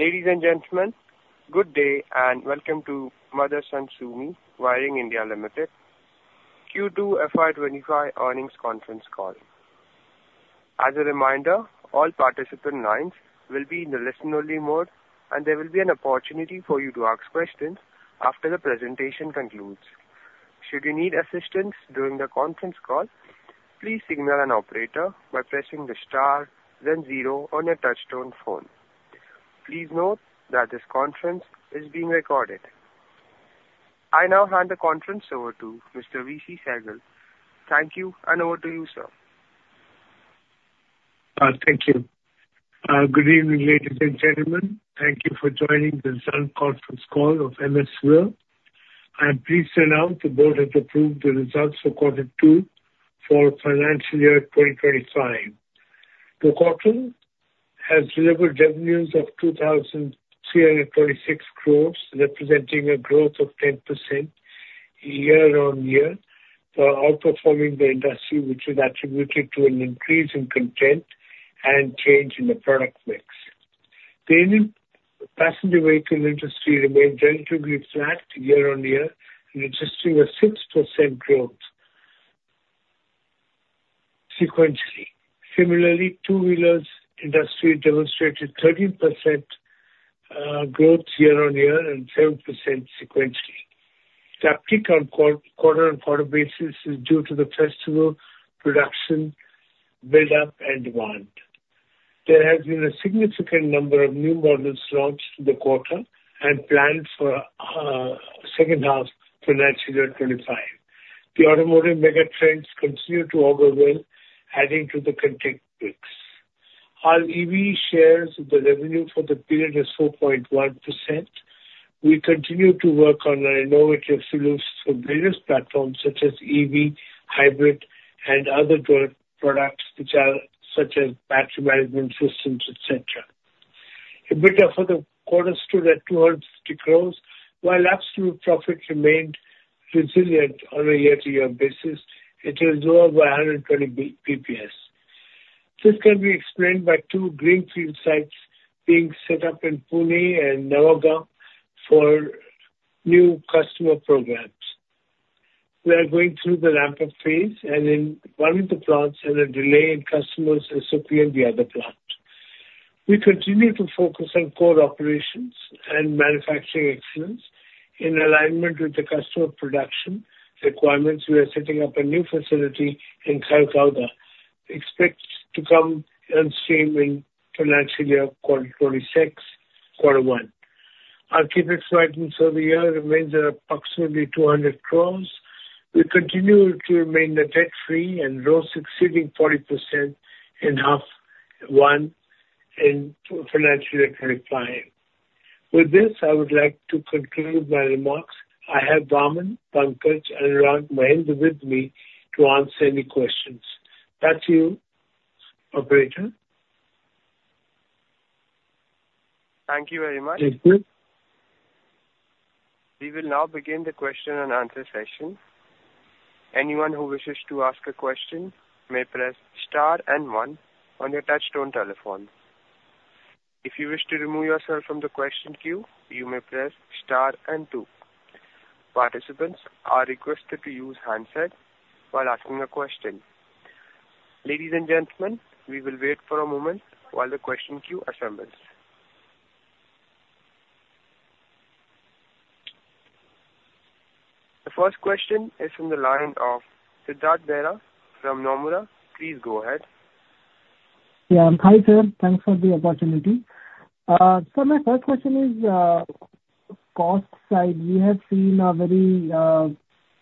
Ladies and gentlemen, good day and welcome to Motherson Sumi Wiring India Limited Q2 FY25 Earnings Conference Call. As a reminder, all participant lines will be in the listen-only mode, and there will be an opportunity for you to ask questions after the presentation concludes. Should you need assistance during the conference call, please signal an operator by pressing the star, then zero on your touch-tone phone. Please note that this conference is being recorded. I now hand the conference over to Mr. Vivek Sehgal. Thank you, and over to you, sir. Thank you. Good evening, ladies and gentlemen. Thank you for joining the Q2 Conference Call of MSWIL. I'm pleased to announce the board has approved the results for quarter two for financial year 2025. The quarter has delivered revenues of 2,326 crores, representing a growth of 10% year-on-year for outperforming the industry, which is attributed to an increase in content and change in the product mix. The passenger vehicle industry remained relatively flat year-on-year, registering a 6% growth sequentially. Similarly, two-wheelers industry demonstrated 13% growth year-on-year and 7% sequentially. The uptick on quarter-on-quarter basis is due to the festival production, build-up, and demand. There has been a significant number of new models launched in the quarter and planned for the second half of financial year 25. The automotive megatrends continue to overwhelm, adding to the content mix. Our EV share of the revenue for the period is 4.1%. We continue to work on our innovative solutions for various platforms such as EV, hybrid, and other products, such as battery management systems, etc. EBITDA for the quarter stood at 250 crores. While absolute profit remained resilient on a year-to-year basis, it is lower by 120 basis points. This can be explained by two greenfield sites being set up in Pune and Navagam for new customer programs. We are going through the ramp-up phase, and in one of the plants, a delay in customers is occurring in the other plant. We continue to focus on core operations and manufacturing excellence in alignment with the customer production requirements. We are setting up a new facility in Kakkalur, expected to come on stream in financial year quarter 26, quarter one. Our CapEx for the year remains at approximately 200 crores. We continue to remain net debt free and gross exceeding 40% in half one in financial year 2025. With this, I would like to conclude my remarks. I have Anurag, Pankaj, and Mahendra with me to answer any questions. Back to you, operator. Thank you very much. Thank you. We will now begin the question and answer session. Anyone who wishes to ask a question may press star and one on your touch-tone telephone. If you wish to remove yourself from the question queue, you may press star and two. Participants are requested to use handset while asking a question. Ladies and gentlemen, we will wait for a moment while the question queue assembles. The first question is from the line of Siddhartha Bera from Nomura. Please go ahead. Yeah, hi sir. Thanks for the opportunity. So my first question is, cost side, we have seen a very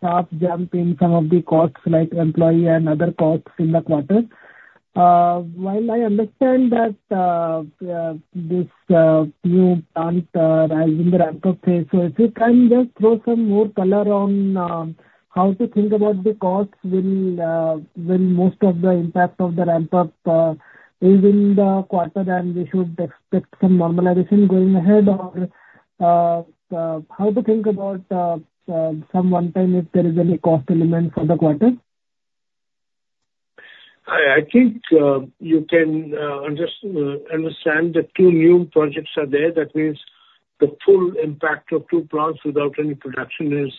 sharp jump in some of the costs, like employee and other costs in the quarter. While I understand that this new plant is in the ramp-up phase, so if you can just throw some more color on how to think about the costs, will most of the impact of the ramp-up be within the quarter and we should expect some normalization going ahead or how to think about some one-time if there is any cost element for the quarter? I think you can understand the two new projects are there. That means the full impact of two plants without any production is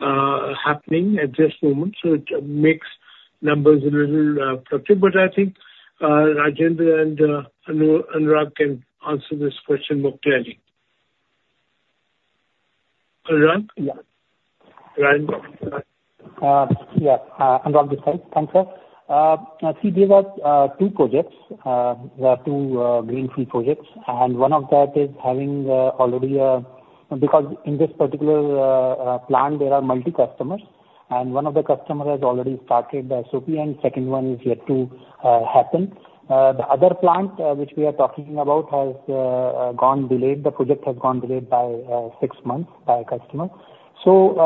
happening at this moment. So it makes numbers a little productive. But I think Rajendra and Anurag can answer this question more clearly. Anurag? Yes. Anurag Gahlot, thank you. See, these are two projects. There are two greenfield projects, and one of that is having already a because in this particular plant, there are multi-customers, and one of the customers has already started SOP, and the second one is yet to happen. The other plant which we are talking about has gone delayed. The project has gone delayed by six months by a customer. So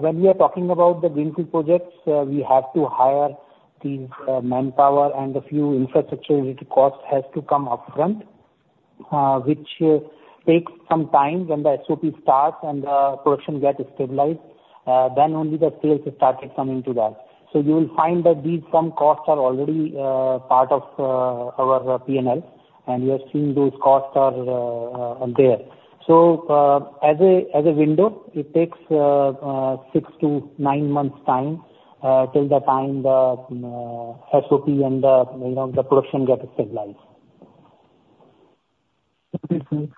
when we are talking about the greenfield projects, we have to hire these manpower and a few infrastructure-related costs have to come upfront, which takes some time when the SOP starts and the production gets stabilized. Then only the sales started coming to that. So you will find that these some costs are already part of our P&L, and you have seen those costs are there. So as a window, it takes six-to-nine months' time till the time the SOP and the production get stabilized. Okay, sir.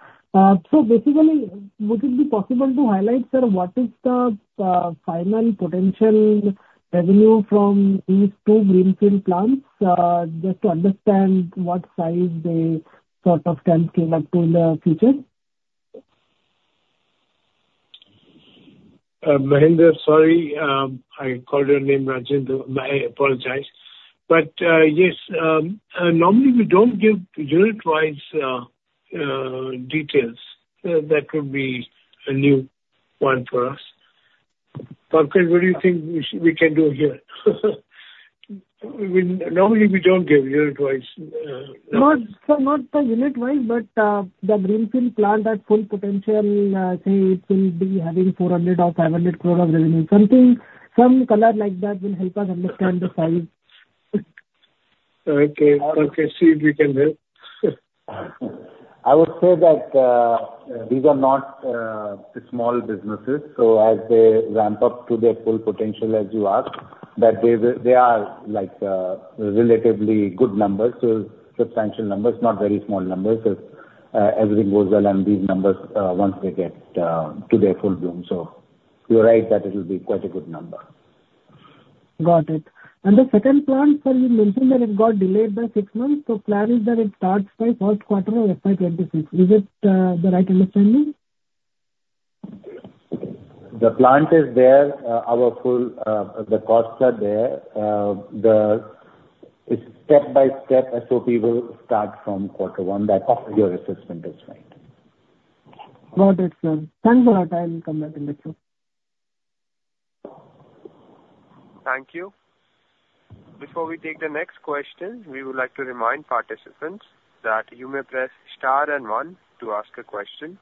So basically, would it be possible to highlight, sir, what is the final potential revenue from these two greenfield plants just to understand what size they sort of can scale up to in the future? Mahendra, sorry. I called your name, Rajendra. I apologize. But yes, normally we don't give unit-wise details. That would be a new one for us. Pankaj, what do you think we can do here? Normally we don't give unit-wise. Not the unit-wise, but the greenfield plant at full potential, say it will be having 400 crore or 500 crore of revenue. Something, some color like that will help us understand the size. Okay. Okay. See if we can help. I would say that these are not small businesses so as they ramp up to their full potential as you ask, that they are relatively good numbers, substantial numbers, not very small numbers. If everything goes well and these numbers, once they get to their full bloom, so you're right that it will be quite a good number. Got it. And the second plant, sir, you mentioned that it got delayed by six months. So plan is that it starts by first quarter of FY26. Is it the right understanding? The plant is there. The costs are there. The step-by-step SOP will start from quarter one. That's your assessment, that's right. Got it, sir. Thanks for your time. We'll come back and get you. Thank you. Before we take the next question, we would like to remind participants that you may press star and one to ask a question.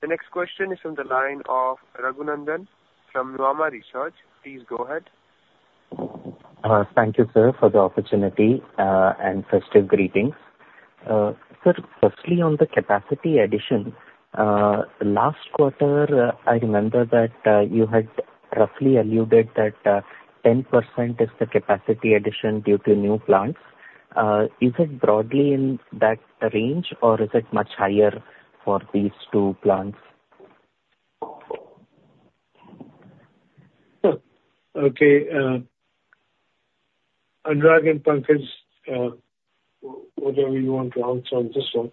The next question is from the line of Raghunandhan from Nuvama Research. Please go ahead. Thank you, sir, for the opportunity and festive greetings. Sir, firstly, on the capacity addition, last quarter, I remember that you had roughly alluded that 10% is the capacity addition due to new plants. Is it broadly in that range, or is it much higher for these two plants? Okay. Anurag and Pankaj, whatever you want to answer on this one.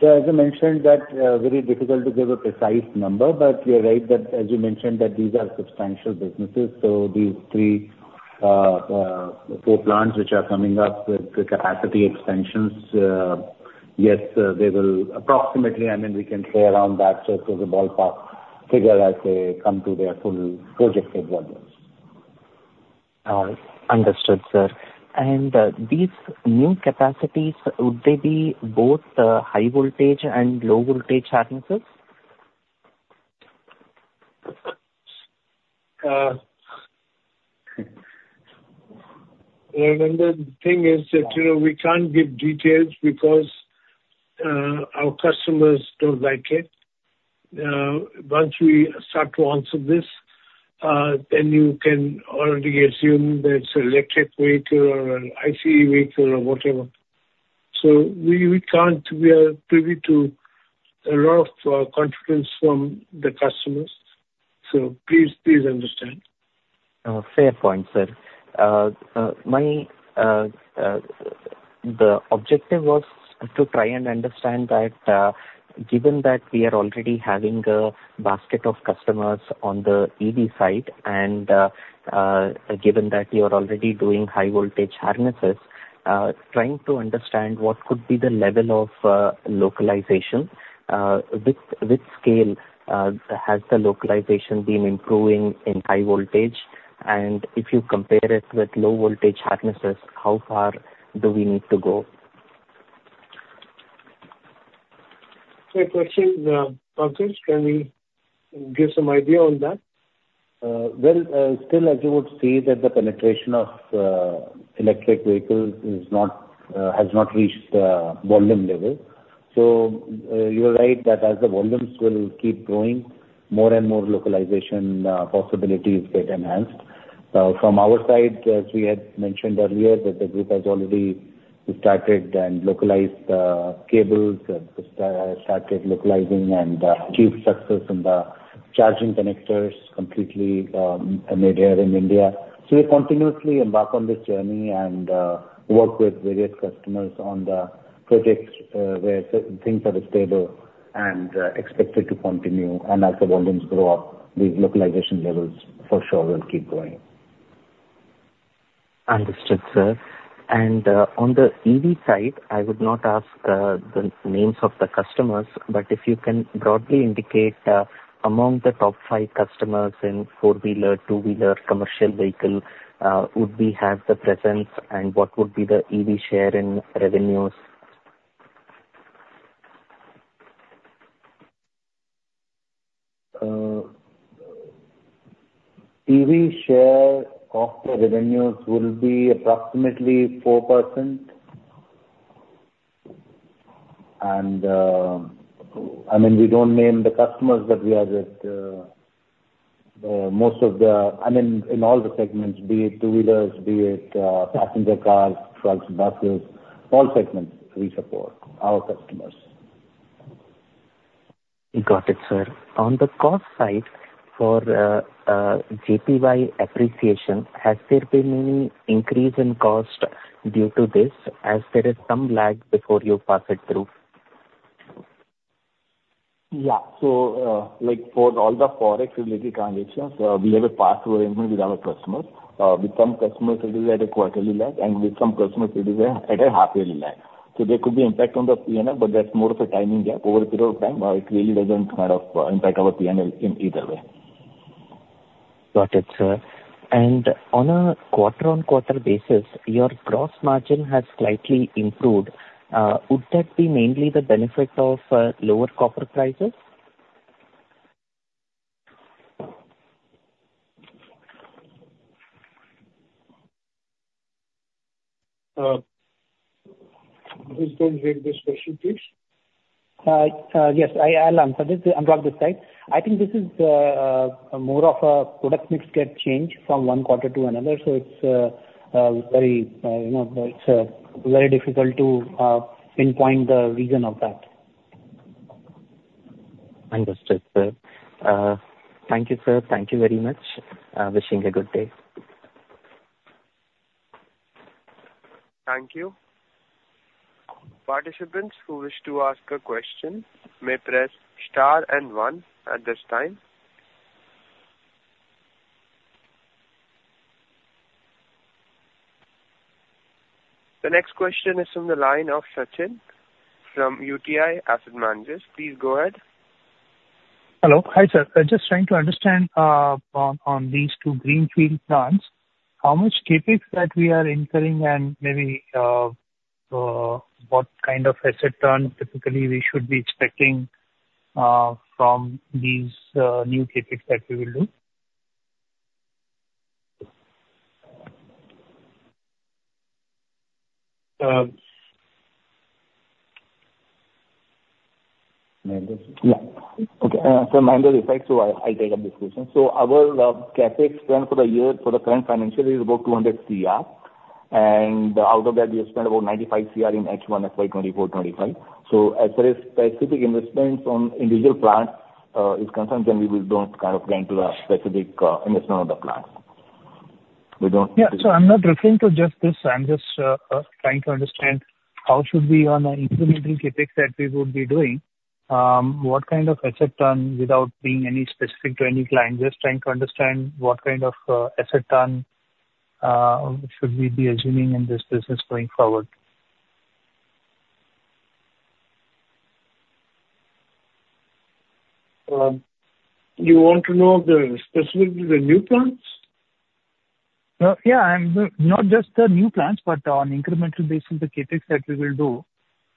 Sir, as I mentioned, that's very difficult to give a precise number, but you're right that, as you mentioned, that these are substantial businesses, so these three or four plants which are coming up with the capacity extensions, yes, they will approximately, I mean, we can say around that sort of a ballpark figure as they come to their full projected volumes. Understood, sir. And these new capacities, would they be both high-voltage and low-voltage chargers? Anurag, the thing is that we can't give details because our customers don't like it. Once we start to answer this, then you can already assume that it's an electric vehicle or an ICE vehicle or whatever. So we are privy to a lot of confidence from the customers. So please understand. Fair point, sir. The objective was to try and understand that given that we are already having a basket of customers on the EV side and given that you are already doing high-voltage harnesses, trying to understand what could be the level of localization with scale. Has the localization been improving in high-voltage? And if you compare it with low-voltage harnesses, how far do we need to go? Fair question. Pankaj, can you give some idea on that? Still, as you would see, the penetration of electric vehicles has not reached the volume level. So you're right that as the volumes will keep growing, more and more localization possibilities get enhanced. From our side, as we had mentioned earlier, that the group has already started and localized the cables, started localizing and achieved success in the charging connectors completely made here in India. So we continuously embark on this journey and work with various customers on the projects where things are stable and expected to continue. And as the volumes grow up, these localization levels for sure will keep growing. Understood, sir. On the EV side, I would not ask the names of the customers, but if you can broadly indicate among the top five customers in four-wheeler, two-wheeler, commercial vehicle, would we have the presence and what would be the EV share in revenues? EV share of the revenues will be approximately 4%, and I mean, we don't name the customers, but we are with most of the, I mean, in all the segments, be it two-wheelers, be it passenger cars, trucks, buses, all segments, we support our customers. Got it, sir. On the cost side for JPY appreciation, has there been any increase in cost due to this as there is some lag before you pass it through? Yeah. So for all the forex-related transactions, we have a pass-through arrangement with our customers. With some customers, it is at a quarterly lag, and with some customers, it is at a half-yearly lag. So there could be impact on the P&L, but that's more of a timing gap over a period of time. It really doesn't kind of impact our P&L in either way. Got it, sir. And on a quarter-on-quarter basis, your gross margin has slightly improved. Would that be mainly the benefit of lower copper prices? Please go and read this question, please. Yes, I'll answer this. I think this is more of a product mix get changed from one quarter to another. So it's very difficult to pinpoint the reason of that. Understood, sir. Thank you, sir. Thank you very much. Wishing a good day. Thank you. Participants who wish to ask a question may press star and one at this time. The next question is from the line of Sachin from UTI Asset Management. Please go ahead. Hello. Hi, sir. Just trying to understand on these two greenfield plants how much CapEx that we are incurring and maybe what kind of asset turnover typically we should be expecting from these new CapEx that we will do? Yeah. So Mahender Chhabra, so I'll take up this question. So our Capex spent for the year for the current financial year is about 200 CR, and out of that, we have spent about 95 CR in H1, FY24, '25. So as far as specific investments on individual plants is concerned, then we don't kind of get into the specific investment on the plants. We don't. Yeah. So I'm not referring to just this. I'm just trying to understand how should we on an incremental CapEx that we would be doing, what kind of asset turn without being any specific to any client. Just trying to understand what kind of asset turn should we be assuming in this business going forward. You want to know specifically the new plants? Yeah. Not just the new plants, but on incremental basis, the CapEx that we will do,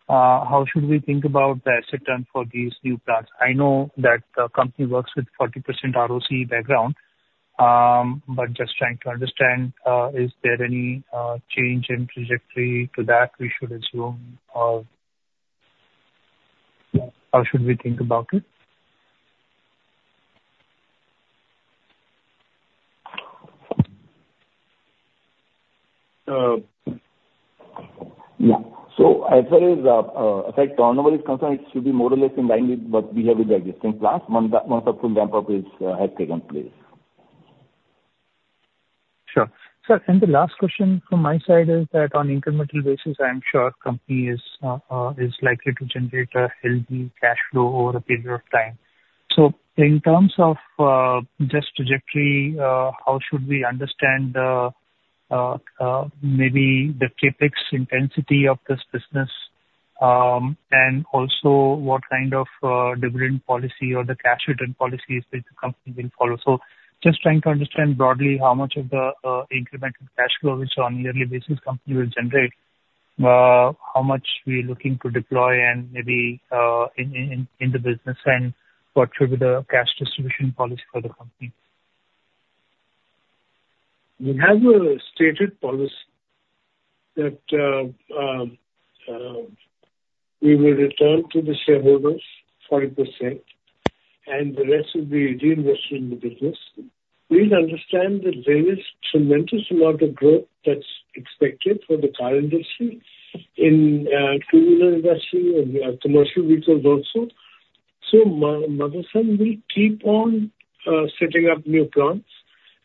how should we think about the asset turn for these new plants? I know that the company works with 40% ROC background, but just trying to understand, is there any change in trajectory to that we should assume? How should we think about it? Yeah. So as far as asset turnover is concerned, it should be more or less in line with what we have with the existing plants once the full ramp-up has taken place. Sure. Sir, and the last question from my side is that on incremental basis, I'm sure company is likely to generate a healthy cash flow over a period of time. So in terms of just trajectory, how should we understand maybe the Capex intensity of this business and also what kind of dividend policy or the cash return policies that the company will follow? So just trying to understand broadly how much of the incremental cash flow, which on yearly basis company will generate, how much we are looking to deploy and maybe in the business and what should be the cash distribution policy for the company? We have a stated policy that we will return to the shareholders 40% and the rest will be reinvested in the business. Please understand that there is tremendous amount of growth that's expected for the car industry, in two-wheeler industry, and commercial vehicles also. So Motherson, we keep on setting up new plants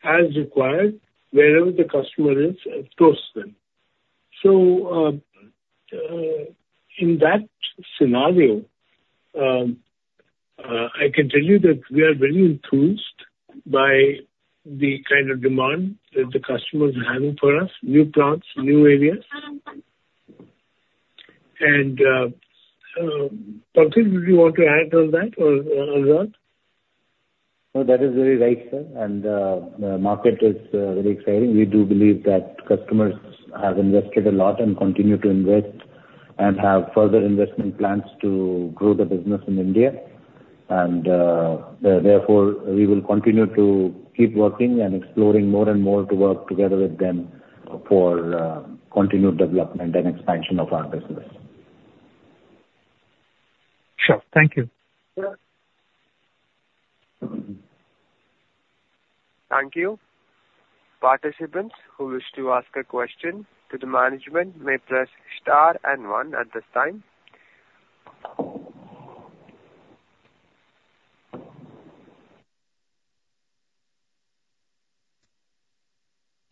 as required wherever the customer is close to them. So in that scenario, I can tell you that we are very enthused by the kind of demand that the customers are having for us, new plants, new areas. And Pankaj, would you want to add on that or Anurag? No, that is very right, sir. And the market is very exciting. We do believe that customers have invested a lot and continue to invest and have further investment plans to grow the business in India. And therefore, we will continue to keep working and exploring more and more to work together with them for continued development and expansion of our business. Sure. Thank you. Thank you. Participants who wish to ask a question to the management may press star and one at this time.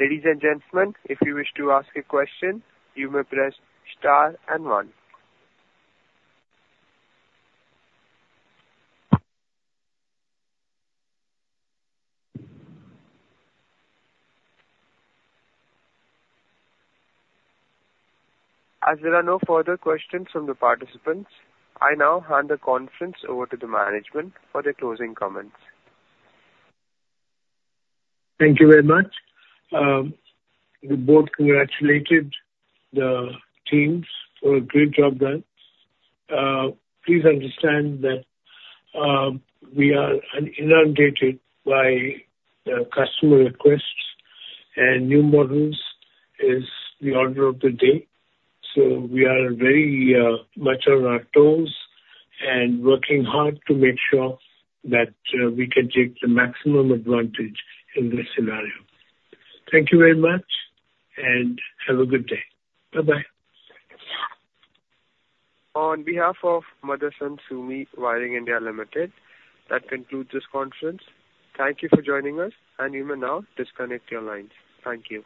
Ladies and gentlemen, if you wish to ask a question, you may press star and one. As there are no further questions from the participants, I now hand the conference over to the management for their closing comments. Thank you very much. We both congratulated the teams for a great job done. Please understand that we are inundated by customer requests, and new models is the order of the day. So we are very much on our toes and working hard to make sure that we can take the maximum advantage in this scenario. Thank you very much and have a good day. Bye-bye. On behalf of Motherson Sumi Wiring India Limited, that concludes this conference. Thank you for joining us, and you may now disconnect your lines. Thank you.